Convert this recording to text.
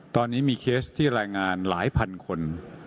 ตอนนี้มีเคสที่รายงานหลายพันคน